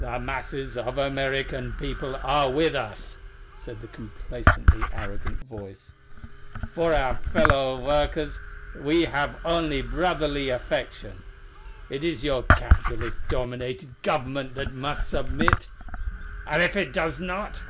"The masses of the American people are with us," said the complacently arrogant voice. "For our fellow workers we have only brotherly affection; it is your capitalist dominated Government that must submit. And if it does not